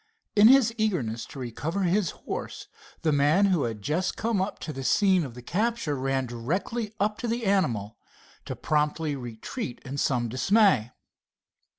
In his eagerness to recover his horse, the man who had just come up to the scene of the capture ran directly up to the animal to promptly retreat in some dismay.